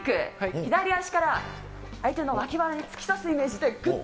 左足から相手の脇腹に突き刺すイメージでぐっと。